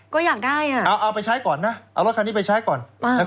ก็อยากได้อ่ะเอาไปใช้ก่อนนะเอารถคันนี้ไปใช้ก่อน